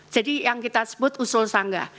jadi yang kita sebut usul sanggah